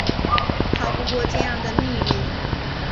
逃不过这样的命运